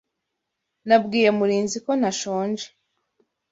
Nabwiye Murinzi ko ntashonje.